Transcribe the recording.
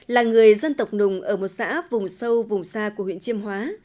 là người dân tộc nùng ở một xã vùng sâu vùng xa của huyện chiêm hóa